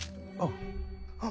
あっ！